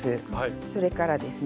それからですね